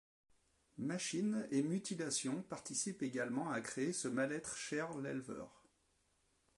Machines et mutilations participent également à créer ce mal-être cher l'éleveur.